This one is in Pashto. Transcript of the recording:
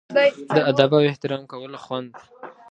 د ادب او احترام کولو خوند.